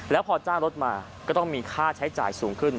แล้วพอจ้างรถมาก็ต้องมีค่าใช้จ่ายสูงขึ้น